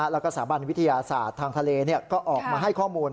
แล้วก็สถาบันวิทยาศาสตร์ทางทะเลก็ออกมาให้ข้อมูล